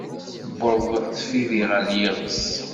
Tewweḍ tfidi ar iɣes.